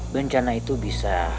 bencana itu bisa